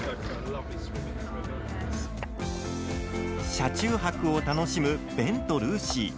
車中泊を楽しむベンとルーシー。